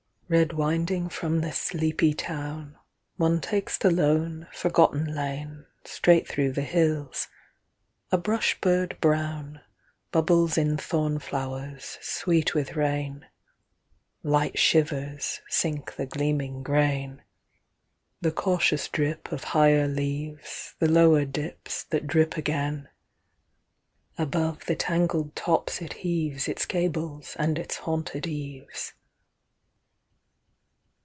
1. Red winding from the sleepy town, One takes the lone, forgotten lane Straight through the hills. A brush bird brown Bubbles in thorn flowers sweet with rain; Light shivers sink the gleaming grain; The cautious drip of higher leaves The lower dips that drip again. Above the tangled tops it heaves Its gables and its haunted eaves.